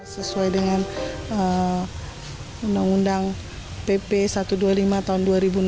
sesuai dengan undang undang pp satu ratus dua puluh lima tahun dua ribu enam belas